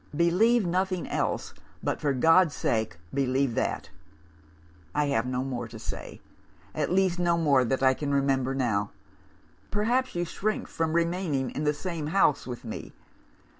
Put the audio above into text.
Believe nothing else, but, for God's sake, believe that! "'I have no more to say at least no more that I can remember now. Perhaps, you shrink from remaining in the same house with me?